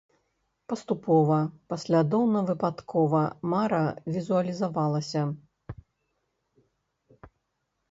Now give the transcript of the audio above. Паступова, паслядоўна-выпадкова мара візуалізавалася.